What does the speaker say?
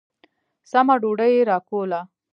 سمه ډوډۍ يې راکوله.